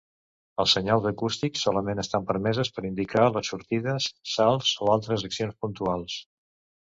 Els senyals acústics solament estan permeses per indicar les sortides, salts o altres accions puntuals.